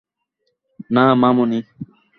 না, মামুনি।